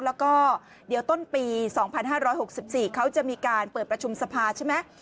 แล้วก็เดี๋ยวต้นปี๒๕๖๔เขาจะมีการเปิดประชุมสภาใช่ไหม